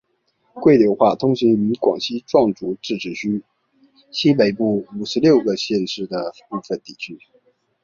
桂柳话通行于广西壮族自治区西北部五十六个县市的部分地区。